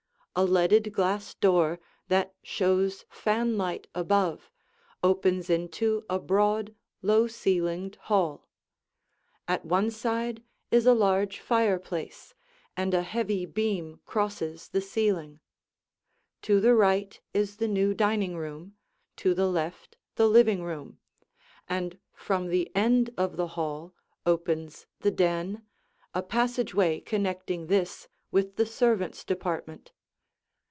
A leaded glass door that shows fanlight above opens into a broad, low ceilinged hall. At one side is a large fireplace, and a heavy beam crosses the ceiling. To the right is the new dining room, to the left the living room, and from the end of the hall opens the den, a passageway connecting this with the servants' department.